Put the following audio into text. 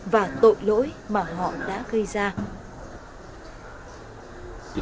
và tội lỗi mà họ đã gây ra